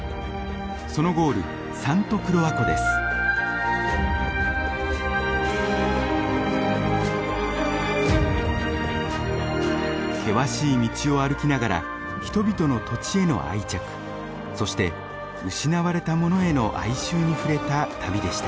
そのゴール険しい道を歩きながら人々の土地への愛着そして失われたものへの哀愁に触れた旅でした。